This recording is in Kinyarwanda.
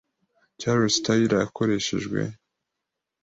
Charles Taylor yarakoreshejwe